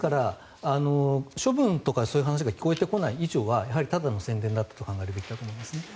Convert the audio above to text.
処分とかそういう話が聞こえてこない以上はただの宣伝だと考えるべきだと思います。